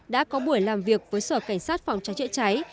đã có buổi làm việc với sở cảnh sát phòng cháy chữa cháy